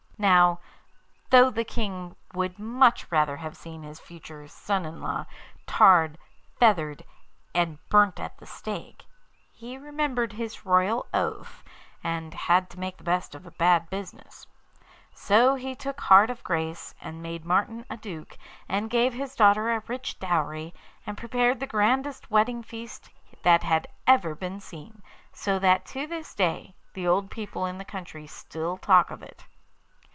Now, though the King would much rather have seen his future son in law tarred, feathered, and burnt at the stake, he remembered his royal oath, and had to make the best of a bad business. So he took heart of grace, and made Martin a Duke, and gave his daughter a rich dowry, and prepared the grandest wedding feast that had ever been seen, so that to this day the old people in the country still talk of it.